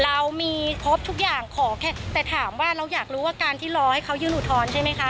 เรามีครบทุกอย่างขอแค่แต่ถามว่าเราอยากรู้ว่าการที่รอให้เขายื่นอุทธรณ์ใช่ไหมคะ